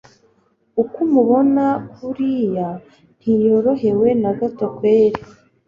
uko umubona kuriya ntiyorohewe nagato kelli